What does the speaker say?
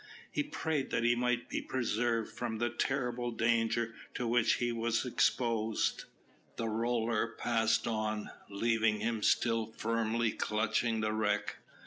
He prayed that he might be preserved from the terrible danger to which he was exposed. The roller passed on, leaving him still firmly clutching the wreck.